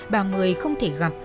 bà mười không thể gặp